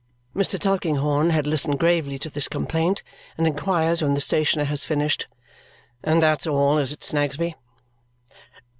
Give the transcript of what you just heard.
Mr. Tulkinghorn had listened gravely to this complaint and inquires when the stationer has finished, "And that's all, is it, Snagsby?"